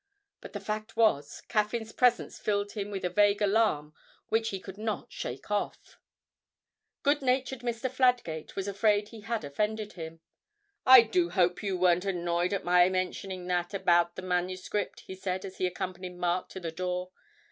But the fact was, Caffyn's presence filled him with a vague alarm which he could not shake off. Good natured Mr. Fladgate was afraid he had offended him. 'I do hope you weren't annoyed at my mentioning that about the manuscript?' he said, as he accompanied Mark to the door.